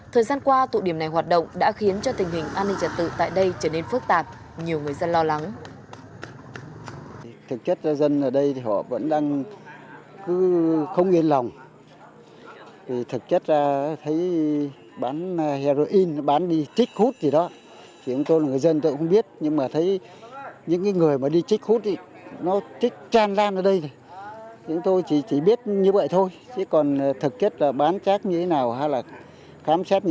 thời gian qua tụ điểm này hoạt động đã khiến cho tình hình an ninh trật tự tại đây trở nên phức tạp